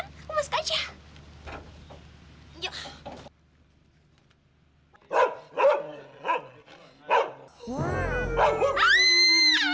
sepada halo permisi